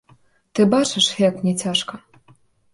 Ты бачыш, як мне цяжка.